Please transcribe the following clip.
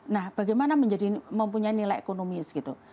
nah bagaimana menjadi mempunyai nilai ekonomis gitu